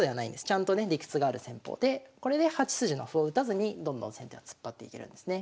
ちゃんとね理屈がある戦法でこれで８筋の歩を打たずにどんどん先手は突っ張っていけるんですね。